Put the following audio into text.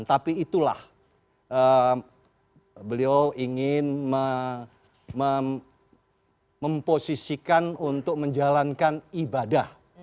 tapi itulah beliau ingin memposisikan untuk menjalankan ibadah